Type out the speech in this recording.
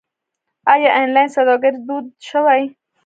آیا آنلاین سوداګري دود شوې؟